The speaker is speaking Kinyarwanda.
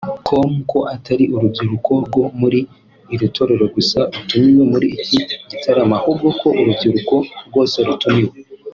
com ko atari urubyiruko rwo muri iri torero gusa rutumiwe muri iki gitaramo ahubwo ko urubyiruko rwose rutumiwe